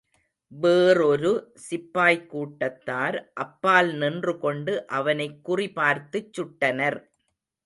வேறொரு சிப்பாய்க் கூட்டத்தார்.அப்பால் நின்று கொண்டு அவனைக் குறி பார்த்துச் சுட்டனர்.